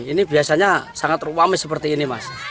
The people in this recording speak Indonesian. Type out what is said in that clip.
ini biasanya sangat ruamis seperti ini mas